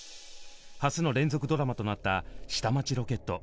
初の連続ドラマとなった「下町ロケット」。